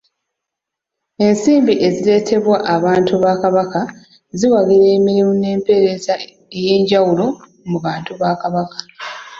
Ensimbi ezireetebwa abantu ba Kabaka ziwagira emirimu n'empeereza ey'enjawulo mu bantu ba Kabaka.